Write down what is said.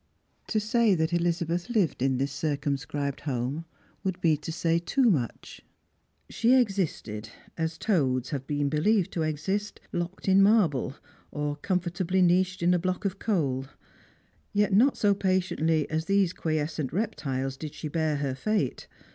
To say that Elizabeth lived in this circumscribed home K ould be to say too much. She existed — as toads have been believed to exist locked in marble, or comfortably niched in a block of coal. Yet not so patiently as these quiescent reptiles did she bear her fate.